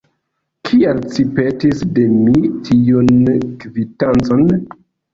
Kial ci petis de mi tiun kvitancon?